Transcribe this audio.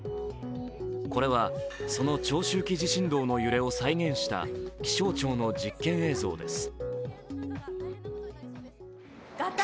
これは、その長周期地震動の揺れを再現した気象庁の実験映像です。